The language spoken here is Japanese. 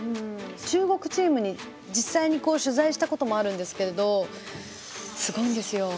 中国チームに実際にこう取材したこともあるんですけどすごいんですよ。